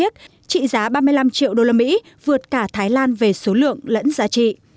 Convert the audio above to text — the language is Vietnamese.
trị giá ba mươi năm triệu usd vượt cả thái lan về số lượng lẫn giá trị